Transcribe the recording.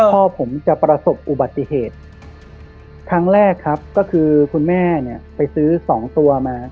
พ่อผมจะประสบอุบัติเหตุครั้งแรกครับก็คือคุณแม่เนี่ยไปซื้อสองตัวมา